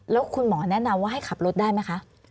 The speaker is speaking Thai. แล้วคุณหมอแนะนำว่าให้ขับรถได้ไหมคะ